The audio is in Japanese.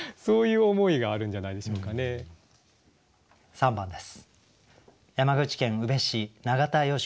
３番です。